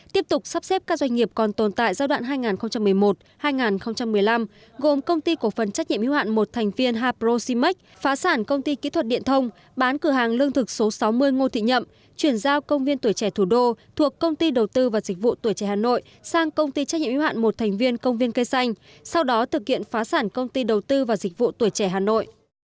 tiếp tục sắp xếp các doanh nghiệp còn tồn tại giai đoạn hai nghìn một mươi một hai nghìn một mươi năm gồm công ty cổ phần trách nhiệm hữu hạn một thành viên haprosimac phá sản công ty kỹ thuật điện thông bán cửa hàng lương thực số sáu mươi ngô thị nhậm chuyển giao công viên tuổi trẻ thủ đô thuộc công ty đầu tư và dịch vụ tuổi trẻ hà nội sang công ty trách nhiệm hữu hạn một thành viên công viên cây xanh sau đó thực hiện phá sản công ty đầu tư và dịch vụ tuổi trẻ hà nội